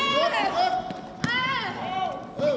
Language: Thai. สุดท้ายสุดท้ายสุดท้าย